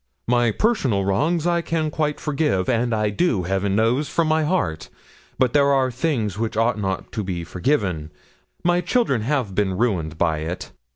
'"My personal wrongs I can quite forgive, and I do, Heaven knows, from my heart; but there are things which ought not to be forgiven. My children have been ruined by it.